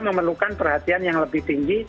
memerlukan perhatian yang lebih tinggi